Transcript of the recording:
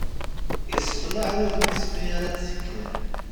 Isexlaɛ wudem-is mi ara d-tekker.